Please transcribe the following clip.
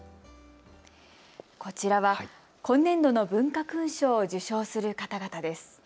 こちらは今年度の文化勲章を受章する方々です。